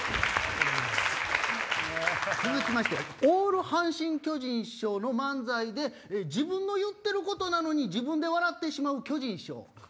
続きましてオール阪神・巨人師匠の漫才で自分の言ってることなのに自分で笑ってしまう巨人師匠。